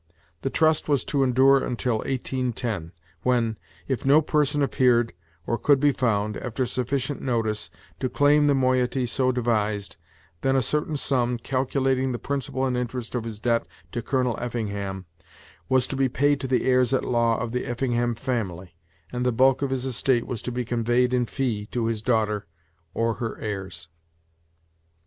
The trust was to endure until 1810, when, if no person appeared, or could be found, after sufficient notice, to claim the moiety so devised, then a certain sum, calculating the principal and interest of his debt to Colonel Effingham, was to be paid to the heirs at law of the Effingham family, and the bulk of his estate was to be conveyed in fee to his daughter, or her heirs.